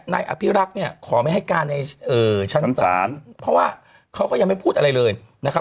นายอภิรักษ์เนี่ยขอไม่ให้การในชั้นศาลเพราะว่าเขาก็ยังไม่พูดอะไรเลยนะครับ